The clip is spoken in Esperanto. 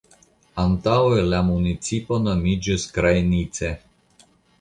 Antaŭe la municipo nomiĝis "Krajnice".